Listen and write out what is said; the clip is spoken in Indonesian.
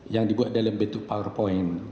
yang dibuat dalam bentuk powerpoint